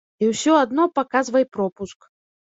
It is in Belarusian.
І ўсё адно паказвай пропуск.